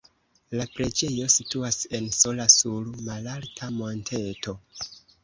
La preĝejo situas en sola sur malalta monteto.